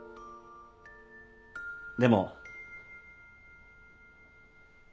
でも。